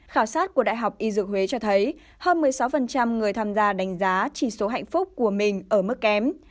khảo sát của đại học y dược huế cho thấy hơn một mươi sáu người tham gia đánh giá chỉ số hạnh phúc của mình ở mức kém